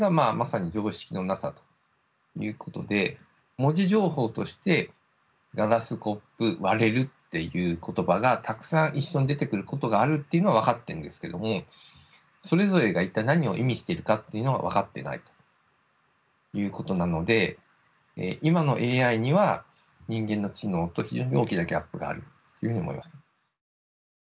文字情報としてガラスコップ割れるっていう言葉がたくさん一緒に出てくることがあるっていうのは分かってんですけどもそれぞれが一体何を意味しているかっていうのは分かってないということなので今のＡＩには人間の知能と非常に大きなギャップがあるというふうに思いますね。